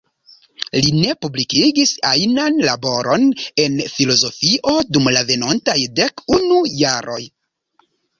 Li ne publikigis ajnan laboron en filozofio dum la venontaj dek unu jaroj.